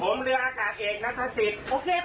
ผมเรืออากาศเอกนักศักดิ์ศิษย์